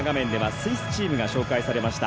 スイスチームが紹介されました。